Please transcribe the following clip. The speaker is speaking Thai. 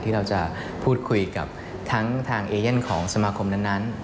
ที่เราจะพูดคุยกับทั้งทางเอเย่นของสมาคมนั้น